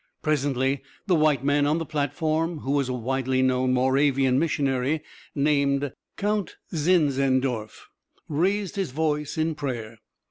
Presently the white man on the platform, who was a widely known Moravian missionary named Count Zinzendorf, raised his voice in prayer.